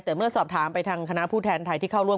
แต่เมื่อสอบถามไปทางคณะผู้แทนไทยที่เข้าร่วม